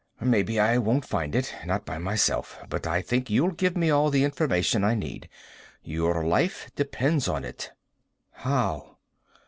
Maybe I won't find it. Not by myself. But I think you'll give me all the information I need. Your life depends on it." "How?"